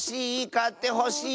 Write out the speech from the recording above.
かってほしい！